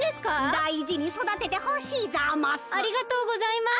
だいじにそだててほしいざます。